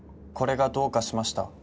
これがどうかしました？